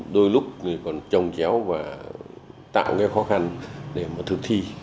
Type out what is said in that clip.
đôi lúc còn trồng chéo và tạo cái khó khăn để mà thực thi